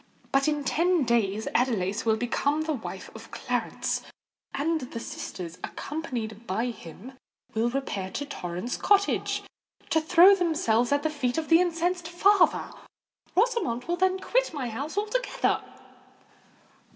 "But in ten days Adelais will become the wife of Clarence; and the sisters, accompanied by him, will repair to Torrens Cottage to throw themselves at the feet of the incensed father. Rosamond will then quit my house altogether."